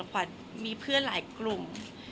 ขวัญมีเพื่อนหลายกลุ่ม